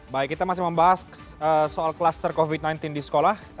baik kita masih membahas soal kluster covid sembilan belas di sekolah